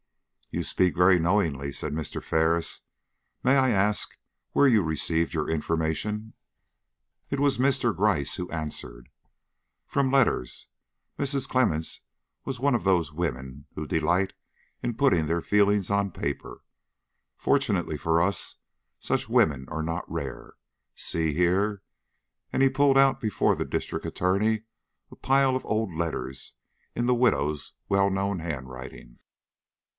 "You speak very knowingly," said Mr. Ferris. "May I ask where you received your information?" It was Mr. Gryce who answered. "From letters. Mrs. Clemmens was one of those women who delight in putting their feelings on paper. Fortunately for us, such women are not rare. See here!" And he pulled out before the District Attorney a pile of old letters in the widow's well known handwriting.